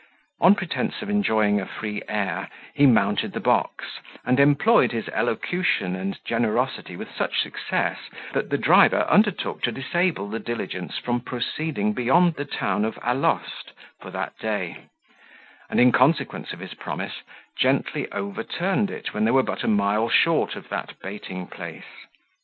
On pretence of enjoying a free air, he mounted the box, and employed his elocution and generosity with such success, that the driver undertook to disable the diligence from proceeding beyond the town of Alost for that day; and, in consequence of his promise, gently overturned it when they were but a mile short of that baiting place.